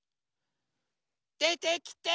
でてきて！